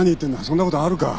そんなことあるか？